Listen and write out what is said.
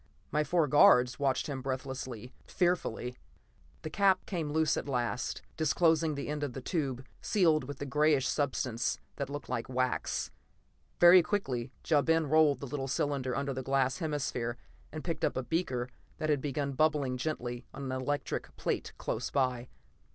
My four guards watched him breathlessly, fearfully. The cap came loose at last, disclosing the end of the tube, sealed with a grayish substance that looked like wax. Very quickly Ja Ben rolled the little cylinder under the glass hemisphere, and picked up a beaker that had been bubbling gently on an electric plate close by.